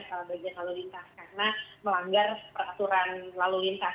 salah bagian lalu lintas karena melanggar peraturan lalu lintas